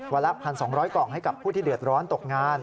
ละ๑๒๐๐กล่องให้กับผู้ที่เดือดร้อนตกงาน